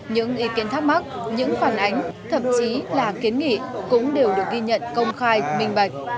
những ý kiến thắc mắc những phản ánh thậm chí là kiến nghị cũng đều được ghi nhận công khai minh bạch